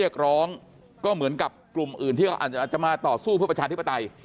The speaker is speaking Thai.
เรียกร้องก็เหมือนกับกลุ่มอื่นที่เขาอาจจะมาต่อสู้เพื่อประชาธิปไตย